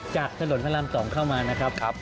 จากถนนพระราม๒เข้ามานะครับ